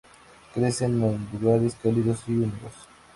Crecen en lugares cálidos y húmedos.